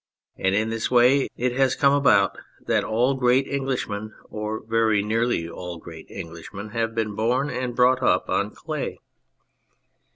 And in this way it has come about that all great Englishmen, or very nearly all great Englishmen have been born and brought up on clay.